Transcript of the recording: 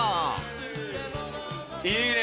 いいね。